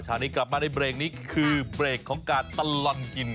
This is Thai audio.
นี้กลับมาในเบรกนี้คือเบรกของการตลอดกิน